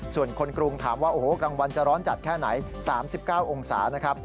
ส่วนคนกรุงถามว่ากลางวันจะร้อนจัดแค่ไหน๓๙องศา